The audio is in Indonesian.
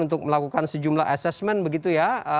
untuk melakukan sejumlah assessment begitu ya